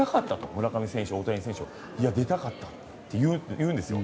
村上選手、大谷選手も出たかったって言うんですよ。